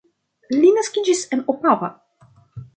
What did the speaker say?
Li naskiĝis en Opava.